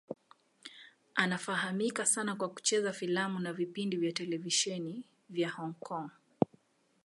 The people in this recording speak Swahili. Anafahamika sana kwa kucheza filamu na vipindi vya televisheni vya Hong Kong.